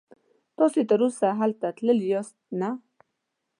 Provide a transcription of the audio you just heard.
تاسې تراوسه هلته تللي یاست؟ نه.